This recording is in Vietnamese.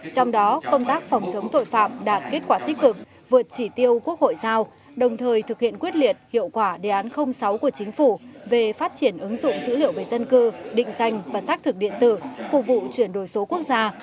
trong đó công tác phòng chống tội phạm đạt kết quả tích cực vượt chỉ tiêu quốc hội giao đồng thời thực hiện quyết liệt hiệu quả đề án sáu của chính phủ về phát triển ứng dụng dữ liệu về dân cư định danh và xác thực điện tử phục vụ chuyển đổi số quốc gia